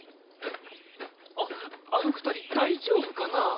ああの二人大丈夫かな